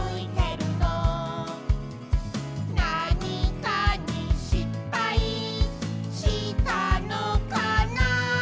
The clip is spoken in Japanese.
「なにかにしっぱいしたのかな」